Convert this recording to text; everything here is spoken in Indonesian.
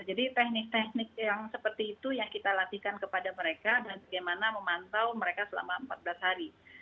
jadi teknik teknik yang seperti itu yang kita latihkan kepada mereka dan bagaimana memantau mereka selama empat belas hari